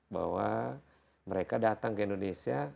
bahwa mereka datang ke indonesia